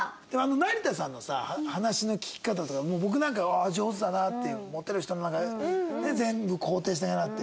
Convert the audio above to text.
成田さんのさ話の聞き方とか僕なんかは上手だなっていうモテる人のなんか全部肯定しながらって。